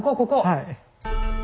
はい。